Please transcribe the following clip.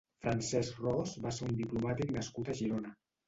Francesc Ros va ser un diplomàtic nascut a Girona.